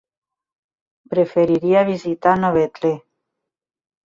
Preferiria visitar Novetlè.